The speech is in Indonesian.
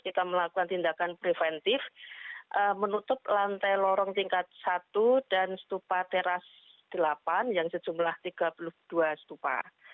kita melakukan tindakan preventif menutup lantai lorong tingkat satu dan stupa teras delapan yang sejumlah tiga puluh dua stupa